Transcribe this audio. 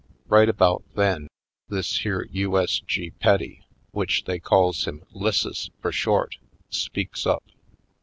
Right about then this here U. S. G. Petty, which they calls him 'Lisses for short, speaks up.